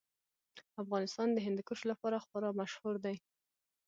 افغانستان د هندوکش لپاره خورا مشهور دی.